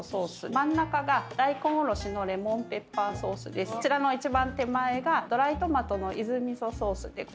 真ん中が大根おろしのレモンペッパーソースでそちらの一番手前がドライトマトの伊豆みそソースです。